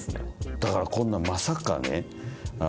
だからこんなまさかね